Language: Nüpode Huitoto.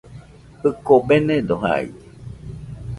Jɨko benedo jaide